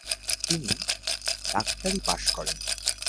তিনি ডাক্তারি পাস করেন।